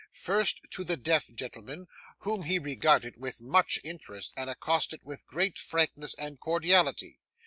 First, to the deaf gentleman, whom he regarded with much interest, and accosted with great frankness and cordiality.